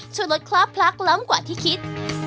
ช่วยลดคลาบพลักล้ำกว่าที่คิด